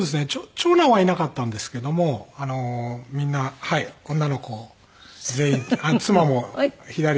長男はいなかったんですけどもみんな女の子全員妻も左にいるんですけど。